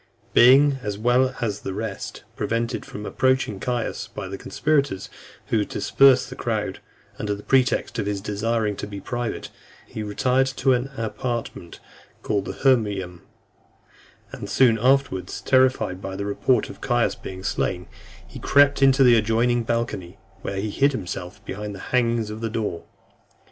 Being, as well as the rest, prevented from approaching Caius by the conspirators, who dispersed the crowd, under the pretext of his desiring to be private, he retired into an apartment called the Hermaeum ; and soon afterwards, terrified by the report of Caius being slain, he crept into an adjoining balcony, where he hid himself behind the hangings of (302) the door.